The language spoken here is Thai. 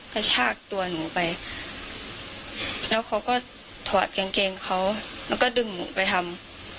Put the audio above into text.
กระชากตัวหนูไปแล้วเขาก็ถอดกางเกงเขาแล้วก็ดึงหนูไปทำ